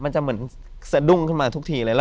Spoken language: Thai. มันจะเหมือนสะดุ้งขึ้นมาทุกทีเลย